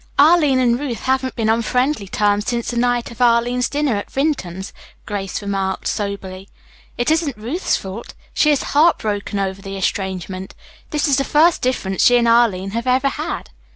"Arline and Ruth haven't been on friendly terms since the night of Arline's dinner at Vinton's," Grace remarked soberly. "It isn't Ruth's fault. She is heartbroken over the estrangement. This is the first difference she and Arline have ever had."